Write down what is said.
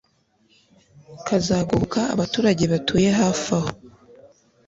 kazagoboka abaturage batuye hafaho